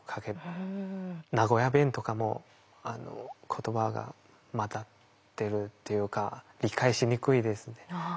名古屋弁とかも言葉がまだ出るっていうか理解しにくいですね。